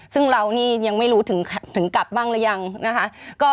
ซึ่งเรานี่ยังไม่รู้ถึงกลับบ้างหรือยังนะคะ